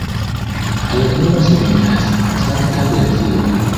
La loknomo signifas: Sankta Blazio.